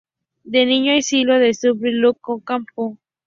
De niño asistió al Surprise Lake Camp.